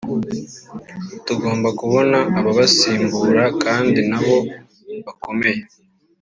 tugomba kubona ababasimbura kandi nabo bakomeye